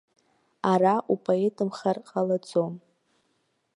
Ара упоетымхар ҟалаӡом.